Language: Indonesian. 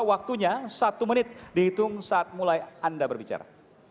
waktunya satu menit dihitung saat mulai anda berbicara